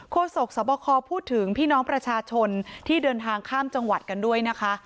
โศกสบคพูดถึงพี่น้องประชาชนที่เดินทางข้ามจังหวัดกันด้วยนะคะ